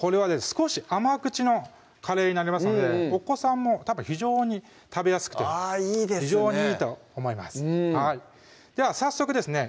少し甘口のカレーになりますのでお子さんもたぶん非常に食べやすくてあぁいいですね非常にいいと思いますでは早速ですね